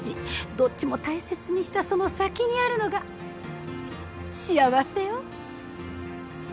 どっちも大切にしたその先にあるのが幸せよ。